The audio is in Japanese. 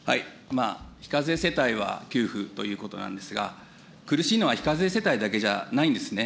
非課税世帯は給付ということなんですが、苦しいのは非課税世帯だけじゃないんですね。